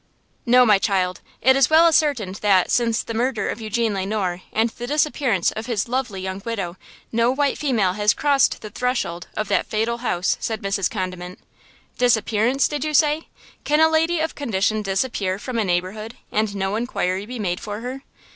"No, my child it is well ascertained that, since the murder of Eugene Le Noir and the disappearance of his lovely young widow, no white female has crossed the threshold of that fatal house," said Mrs. Condiment. "'Disappearance,' did you say? Can a lady of condition disappear from a neighborhood and no inquiry be made for her?"